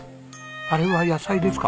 あれは野菜ですか？